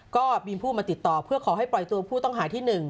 ก็มีผู้มาติดต่อเพื่อขอให้ปล่อยตัวผู้ต้องหาที่๑